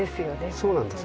そうなんですね。